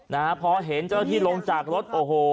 นะฮะพอเห็นเจ้าหน้าที่ลงจากรถโอ้โห